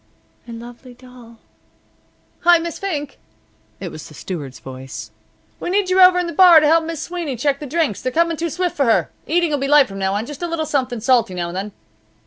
"A lovely doll " "Hi, Miss Fink!" it was the steward's voice. "We need you over in the bar to help Miss Sweeney check the drinks. They're coming too swift for her. The eating will be light from now on; just a little something salty now and then."